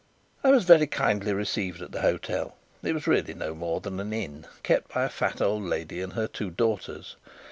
I was very kindly received at the hotel it was really no more than an inn kept by a fat old lady and her two daughters.